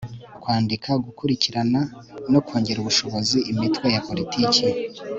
kwandika, gukurikirana no kongerera ubushobozi imitwe ya politiki